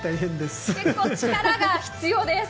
結構、力が必要です。